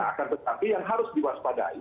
akan tetapi yang harus diwaspadai